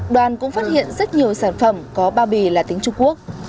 đoàn cũng phát hiện rất nhiều sản phẩm có bao bì là tiếng trung quốc